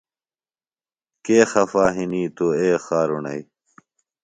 کے خفا ہِنیۡ توۡ اے خارُݨئیۡ۔